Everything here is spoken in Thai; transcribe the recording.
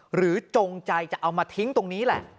จงใจจะเอามาทิ้งตรงนี้แหละ